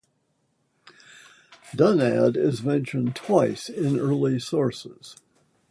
Dunadd is mentioned twice in early sources.